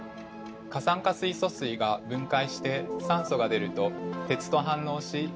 過酸化水素水が分解して酸素が出ると鉄と反応しサビが発生します。